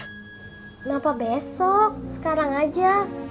kenapa besok sekarang aja